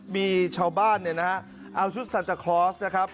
มีชาวบ้านเอาชุดสัตว์นะครับ